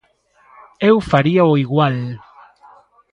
Eu faríao igual.